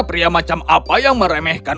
pria macam apa yang meremehkan